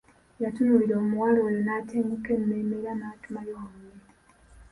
Yatunuulira omuwala oyo n'atenguka emmeeme era n'atumayo munne.